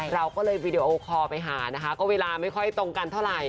เราก็เลยวีดีโอคอลไปหานะคะก็เวลาไม่ค่อยตรงกันเท่าไหร่